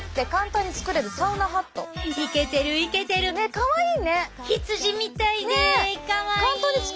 かわいい。